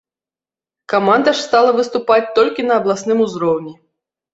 Каманда ж стала выступаць толькі на абласным узроўні.